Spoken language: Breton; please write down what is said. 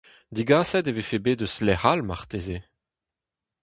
Degaset e vefe bet eus lec'h all marteze ?